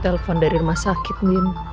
telpon dari rumah sakit din